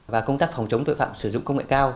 và công tác phòng chống tội phạm sử dụng công nghệ cao